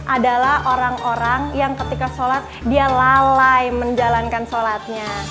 adalah orang orang yang ketika sholat dia lalai menjalankan sholatnya